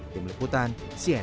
di meliputan siap